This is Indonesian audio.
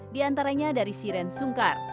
di antaranya dari siren sungkar